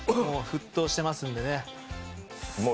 沸騰してますんでね。